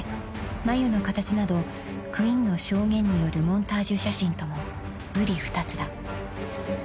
［眉の形などクインの証言によるモンタージュ写真ともうり二つだ］